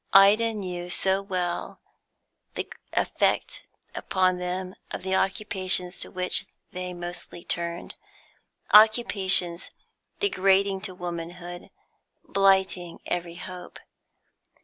Ida knew so well the effect upon them of the occupations to which they mostly turned, occupations degrading to womanhood, blighting every hope.